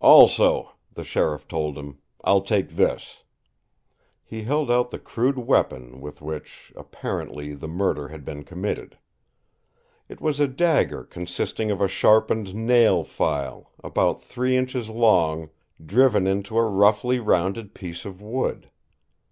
"Also," the sheriff told him, "I'll take this." He held out the crude weapon with which, apparently, the murder had been committed. It was a dagger consisting of a sharpened nail file, about three inches long, driven into a roughly rounded piece of wood.